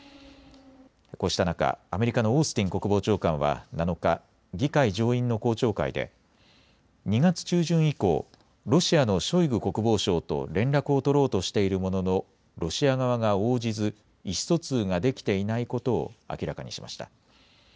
こうした中、アメリカのオースティン国防長官は７日、議会上院の公聴会で２月中旬以降、ロシアのショイグ国防相と連絡を取ろうとしているもののロシア側が応じず意思疎通ができていないことを明らかにしました。